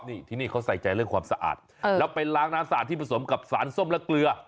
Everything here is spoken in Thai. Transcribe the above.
นี่ที่นี่เขาใส่ใจเรื่องความสะอาดแล้วไปล้างน้ำสะอาดที่ผสมกับสารส้มและเกลือ